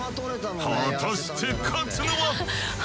果たして勝つのは。